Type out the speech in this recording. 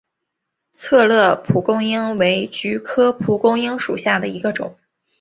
策勒蒲公英为菊科蒲公英属下的一个种。